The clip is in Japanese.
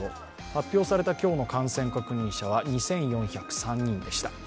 発表された今日の感染確認者は２４０３人でした。